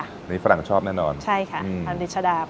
อันนี้ฝรั่งชอบแน่นอนใช่ค่ะทางเดชดาบ